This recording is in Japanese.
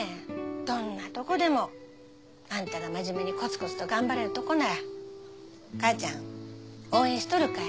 どんなとこでもあんたがまじめにコツコツと頑張れるとこなら母ちゃん応援しとるかい。